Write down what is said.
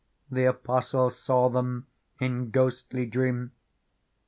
The Apostle them saw in ghostly dream.